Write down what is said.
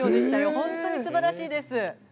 本当にすばらしいです。